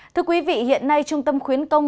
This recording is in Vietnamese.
thưa quý vị hiện nay trung tâm khuyến công